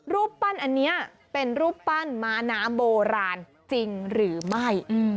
รูปปั้นอันนี้เป็นรูปปั้นม้าน้ำโบราณจริงหรือไม่